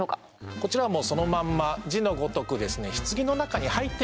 こちらはそのまんま字のごとくですねえっ